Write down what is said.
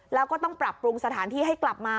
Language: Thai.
แล้วก็ต้องปรับปรุงสถานที่ให้กลับมา